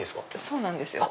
そうなんですよ。